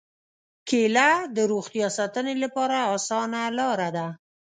کېله د روغتیا ساتنې لپاره اسانه لاره ده.